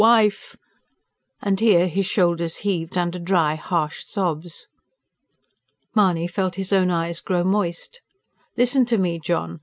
wife!" and here his shoulders heaved, under dry, harsh sobs. Mahony felt his own eyes grow moist. "Listen to me, John.